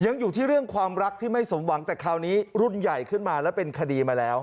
ยังอยู่ที่เรื่องความรักที่ไม่สมหวังแต่คราวนี้รุ่นใหญ่ขึ้นมาแล้วเป็นคดีมาแล้ว